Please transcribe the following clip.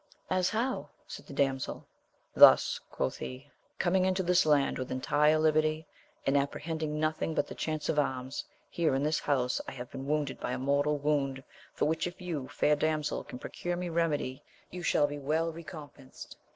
As how ? said the damsel. Thus, quoth he, coming into this land with entire liberty, and apprehending nothing but the chance of arms, here in this house I have been wounded by a mortal wound, for which if you, fair damsel, can procure me remedy, you shall be well recompensed.